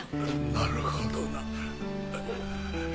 なるほどな。